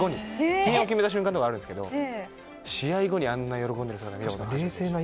点を決めた瞬間とかはあるんですが、試合後にあんなに喜んでるのは見たことない。